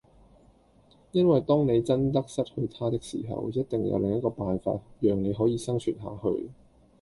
因為當你真得失去它的時候，一定有另一個辦法讓你可以生存下去